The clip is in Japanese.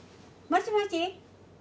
もしもし。